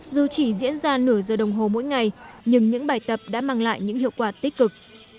dù chỉ diễn ra nửa giờ đồng hồ mỗi ngày nhưng những bài tập đã mang lại những hiệu quả tích cực